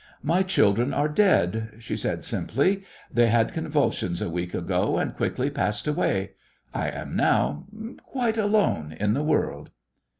"My children are dead," she said simply. "They had convulsions a week ago, and quickly passed away. I am now quite alone in the world."